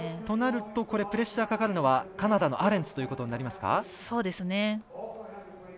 となるとプレッシャーかかるのはカナダのアレンツということになりますね。